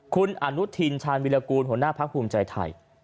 คุณอนุทินชาญวิรากูลหัวหน้าพักภูมิใจไทย